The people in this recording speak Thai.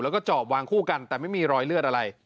แล้วก็จอบวางคู่กันแต่ไม่มีรอยเลือดอะไร